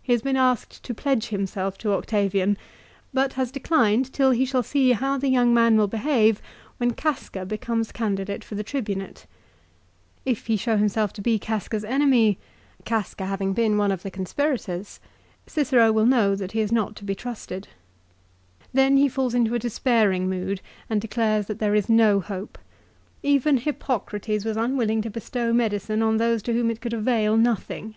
He has been asked to pledge himself to Octavian, but has declined till he shall see how the young man will behave when Casea becomes candidate for the Tribunate. If he show himself to be Casea's enemy, Casea having been one of the conspirators, Cicero will know that he is not to be trusted. Then he falls into a despairing mood and declares that there is no hope. " Even Hippocrates was unwilling to bestow medicine on those to whom it could avail nothing."